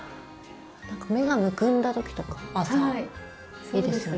なんか目がむくんだ時とか朝いいですよね。